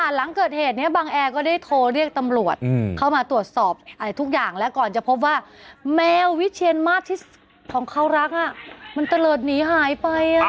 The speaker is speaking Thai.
หลังเกิดเหตุนี้บังแอร์ก็ได้โทรเรียกตำรวจเข้ามาตรวจสอบทุกอย่างแล้วก่อนจะพบว่าแมววิเชียนมาสที่ของเขารักมันตะเลิศหนีหายไป